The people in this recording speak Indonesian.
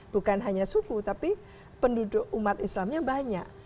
bukan hanya suku tapi penduduk umat islamnya banyak